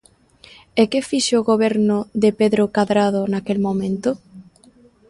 ¿E que fixo o Goberno de Pedro Cadrado naquel momento?